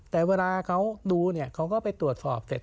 แต่เวลาเขาดูเนี่ยเขาก็ไปตรวจสอบเสร็จ